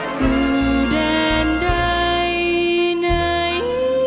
สู่แดนใดไหน